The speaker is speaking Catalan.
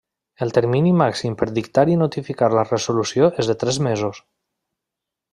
El termini màxim per dictar i notificar la resolució és de tres mesos.